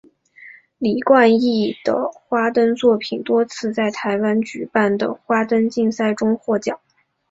李冠毅的花灯作品多次在台湾举办的花灯竞赛中获奖。